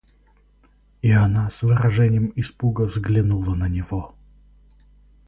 И она с выражением испуга взглянула на него.